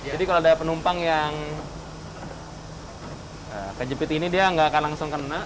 jadi kalau ada penumpang yang kejepit ini dia nggak akan langsung kena